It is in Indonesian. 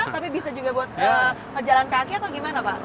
tapi bisa juga buat pejalan kaki atau gimana pak